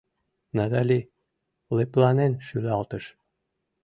Натали лыпланен шӱлалтыш.